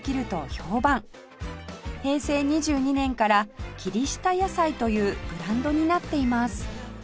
平成２２年から霧下野菜というブランドになっています